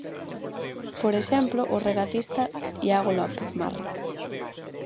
Por exemplo, o regatista Iago López Marra.